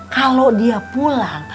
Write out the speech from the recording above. kalau dia pulang